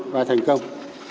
và thành công